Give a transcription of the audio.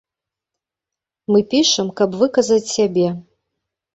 Мы пішам, каб выказаць сябе.